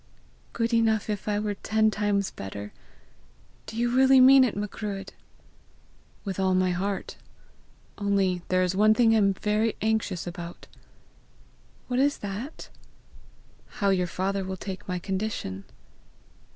"Good enough if I were ten times better. Do you really mean it, Macruadh?" "With all my heart. Only there is one thing I am very anxious about." "What is that?" "How your father will take my condition."